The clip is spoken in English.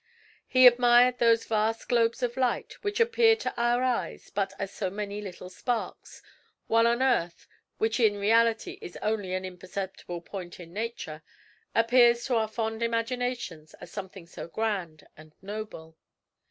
He admired those vast globes of light, which appear to our eyes but as so many little sparks, while the earth, which in reality is only an imperceptible point in nature, appears to our fond imaginations as something so grand and noble.